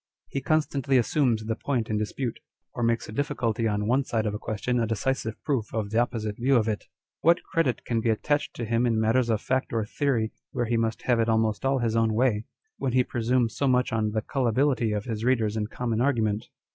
He constantly assumes the point in dispute, or makes a difficulty on one side of a question a decisive proof of the opposite view of it. What credit can be attached to him in matters of fact or theory where he must have it almost all his own way, when he presumes so much on the Gullibility of his readers in common argument